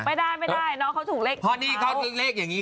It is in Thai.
เพราะนี่เขาเลขอย่างนี้